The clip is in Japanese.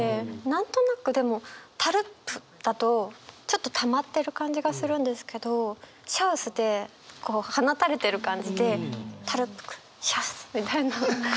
何となくでも「タルップ」だとちょっとたまってる感じがするんですけど「シャウス」でこう放たれてる感じで「タルップ・ク・シャウス」みたいな。